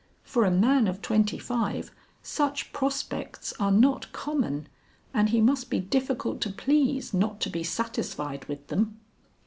For a man of twenty five such prospects are not common and he must be difficult to please not to be satisfied with them."